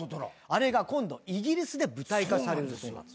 あれが今度イギリスで舞台化されるそうなんです。